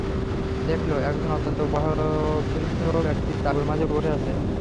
দেখল, একজন অত্যন্ত বয়োবৃদ্ধ ব্যক্তি তাঁবুর মাঝে বসে আছে।